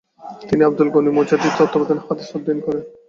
তিনি আবদুল গণি মুজাদ্দিদির তত্ত্বাবধানে হাদিস অধ্যয়ন করেন।